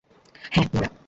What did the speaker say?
হ্যাঁ, নোরা।